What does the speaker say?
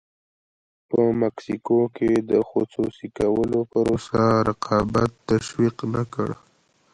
په مکسیکو کې د خصوصي کولو پروسه رقابت تشویق نه کړ.